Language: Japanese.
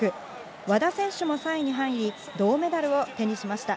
和田選手も３位に入り、銅メダルを手にしました。